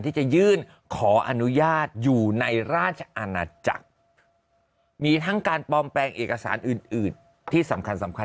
ที่จะยื่นขออนุญาตอยู่ในราชอาณาจักรมีทั้งการปลอมแปลงเอกสารอื่นอื่นที่สำคัญสำคัญ